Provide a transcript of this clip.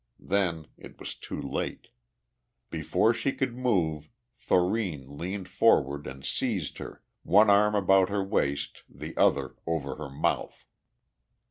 Then it was too late. Before she could move, Thurene leaned forward and seized her one arm about her waist, the other over her mouth.